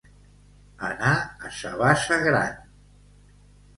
Anar a sa bassa gran.